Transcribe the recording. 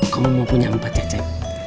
kamu mau punya empat cecek